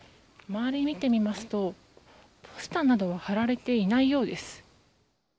周りを見てみますとポスターなどは貼られていないようです。